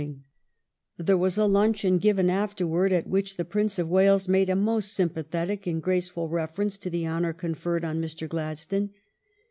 424 THE STORY OF GLADSTONE'S LIFE There was a luncheon given afterward at which the Prince of Wales made a most sympathetic and graceful reference to the honor conferred on Mr. Gladstone.